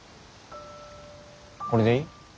これでいい？